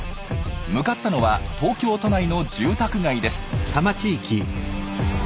向かったのは東京都内の住宅街です。